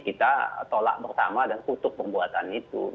kita tolak bersama dan kutuk pembuatan itu